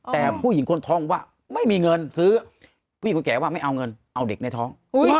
แต่ผู้หญิงคนท้องว่าไม่มีเงินซื้อผู้หญิงคนแก่ว่าไม่เอาเงินเอาเด็กในท้อง